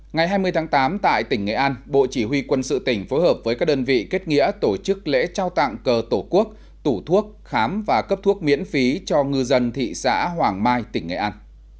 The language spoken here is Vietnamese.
ngày hai mươi tháng tám tại tỉnh nghệ an bộ chỉ huy quân sự tỉnh phối hợp với các đơn vị kết nghĩa tổ chức lễ trao tặng cờ tổ quốc tủ thuốc khám và cấp thuốc miễn phí cho ngư dân thị xã hoàng mai tỉnh nghệ an